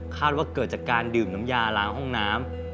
ว่าเกิดจากการดื่มน้ำยาล้างห้องน้ำ